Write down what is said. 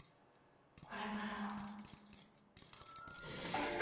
これからは。